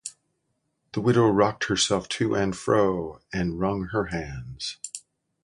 The widow rocked herself to and fro, and wrung her hands.